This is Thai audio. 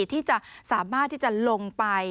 ที่จะสามารถที่จะลงไป